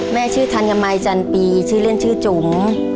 แม่ชื่อธัญมัยจันปีชื่อเล่นชื่อจุ๋ม